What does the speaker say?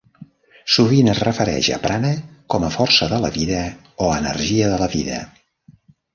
Sovint es refereixen a Prana com a "força de la vida" o "energia de la vida".